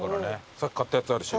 さっき買ったやつあるし。